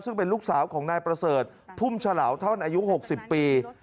ซึ่งเป็นลูกสาวของนายประเสริฐพุ่มฉลาวท่อนอายุ๖๐ปี